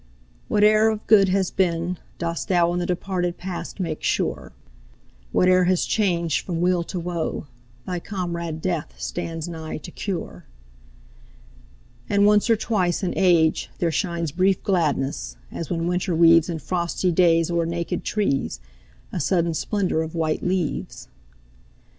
Whate'er of good as been, dost thou In the departed past make sure; Whate'er has changed from weal to woe, Thy comrade Death stands nigh to cure. And once or twice in age there shines Brief gladness, as when winter weaves In frosty days o'er naked trees, A sudden splendour of white leaves.